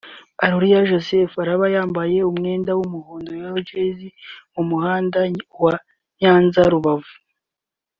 Areruya Joseph araba yambaye umwenda w'umuhondo (Yellow Jersey) mu muhanda wa Nyanza-Rubavu